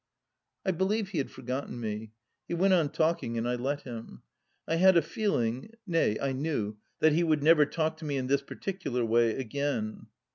..." I believe he had forgotten me. He went on talking, and I let him. I had a feeling — ^nay, I knew — that he would never talk to me in this particular way again.